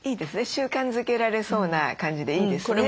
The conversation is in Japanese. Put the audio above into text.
習慣づけられそうな感じでいいですね。